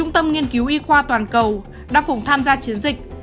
một mươi trung tâm nghiên cứu y khoa toàn cầu đang cùng tham gia chiến dịch